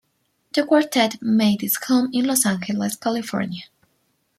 The Quartet made its home in Los Angeles, California.